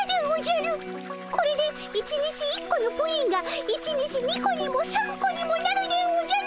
これで１日１個のプリンが１日２個にも３個にもなるでおじゃる！